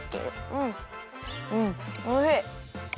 うんうんおいしい！